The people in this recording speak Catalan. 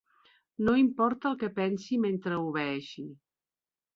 No importa el que pensi mentre obeeixi.